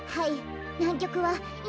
はい。